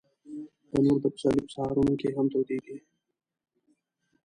تنور د پسرلي په سهارونو کې هم تودېږي